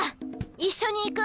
一緒に行く！